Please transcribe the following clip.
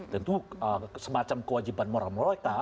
tentu semacam kewajiban moral morata